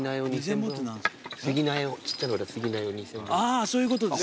あそういうことですね。